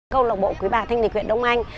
công lạc bộ quý bà thanh lý quyền đông anh